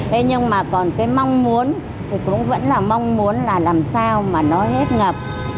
thế nhưng mà còn cái mong muốn thì cũng vẫn là mong muốn là làm sao mà nó hết ngập